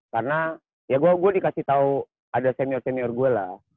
karena ya gue dikasih tahu ada senior senior gue lah